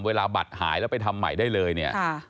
เวลาบัตรหายแล้วไปทำใหม่ได้เลยเนี่ย